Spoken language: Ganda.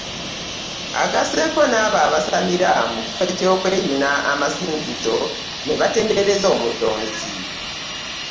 Agasseeko n'abo abasamira mu kifo ky'okweyuna amasinzizo ne batendereza omutonzi